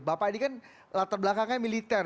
bapak ini kan latar belakangnya militer